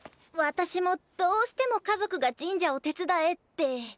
私もどうしても家族が神社を手伝えって。